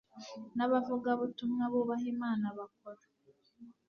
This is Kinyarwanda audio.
nabavugabutumwa bubaha Imana bakora